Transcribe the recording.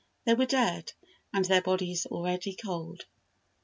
They were dead, and their bodies already cold.